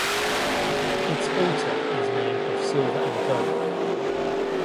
Its altar is made of silver and gold.